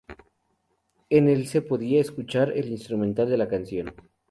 En el se podía escuchar el instrumental de la canción.